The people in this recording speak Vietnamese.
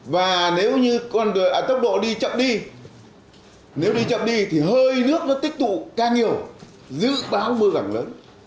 và nếu như tốc độ đi chậm đi nếu đi chậm đi thì hơi nước nó tích tụ càng nhiều dự báo mưa càng lớn